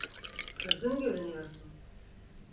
Kızgın görünüyorsun.